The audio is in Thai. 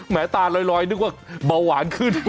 ตาลอยนึกว่าเบาหวานขึ้น